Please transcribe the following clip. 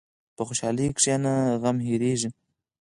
په خوشحالۍ کښېنه، غم هېرېږي.